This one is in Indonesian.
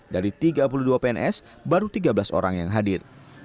dari tiga puluh dua pns baru tiga belas orang yang hadir